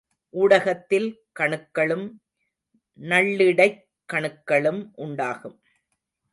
ஊடகத்தில் கணுக்களும் நள்ளிடைக் கணுக்களும் உண்டாகும்.